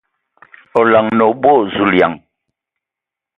O laŋanǝ o boo ! Zulǝyaŋ!